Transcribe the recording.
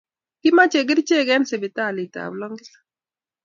kimache kerichek en sipitaliab longisa